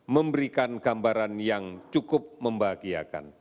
memberikan gambaran yang cukup membahagiakan